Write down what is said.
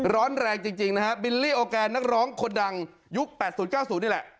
ร้อนแรงจริงนะฮะบิลลี่โอแกนนักร้องคนดังยุค๘๐๙๐นี่แหละ